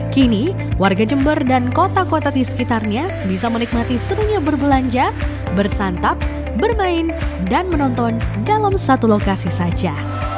kini warga jember dan kota kota di sekitarnya bisa menikmati serunya berbelanja bersantap bermain dan menonton dalam satu lokasi saja